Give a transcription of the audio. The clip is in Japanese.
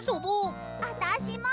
あたしも！